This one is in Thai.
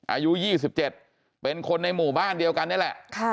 อายุยี่สิบเจ็ดเป็นคนในหมู่บ้านเดียวกันนี่แหละค่ะ